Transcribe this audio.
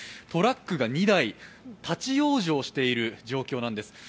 トラックが２台、立ち往生している状況なんです。